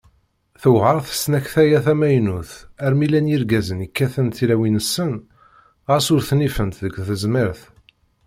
Tewɛer tesnakta-a tamaynut armi llan yirgazen i kkatent tlawin-nsen, ɣas ur ten-ifent deg tezmert.